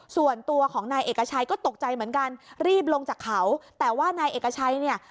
ส่วนตัวของนายเอกชัยก็ตกใจเหมือนกันรีบลงจากเขาแต่ว่านายเอกชัยเนี่ย